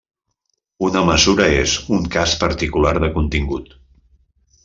Una mesura és un cas particular de contingut.